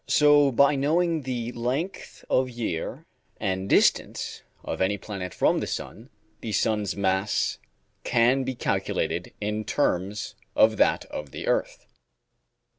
So by knowing the length of year and distance of any planet from the sun, the sun's mass can be calculated, in terms of that of the earth.